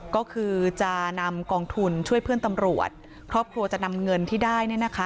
ก็คือจะนำกองทุนช่วยเพื่อนตำรวจครอบครัวจะนำเงินที่ได้เนี่ยนะคะ